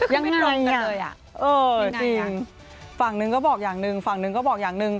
ยังไม่นอนไปเลยอะพี่นายอะจริงฟังหนึ่งก็บอกอย่างหนึ่งฟังหนึ่งก็บอกอย่างหนึ่ง